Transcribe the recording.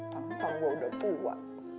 tantang gue udah tua